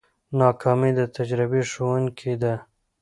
ناکامي د تجربې ښوونکې ده.